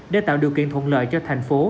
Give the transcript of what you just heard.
để tạo điều kiện thuận lợi cho thành phố